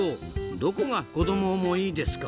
どこが「子ども思い」ですか？